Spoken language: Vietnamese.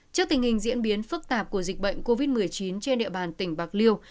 trước tình hình diễn biến phức tạp của dịch bệnh covid một mươi chín trên địa bàn tỉnh bạc liêu